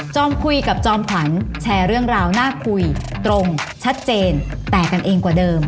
คุยกับจอมขวัญแชร์เรื่องราวน่าคุยตรงชัดเจนแตกกันเองกว่าเดิม